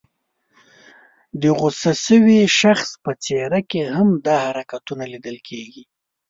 د غوسه شوي شخص په څېره کې هم دا حرکتونه لیدل کېږي.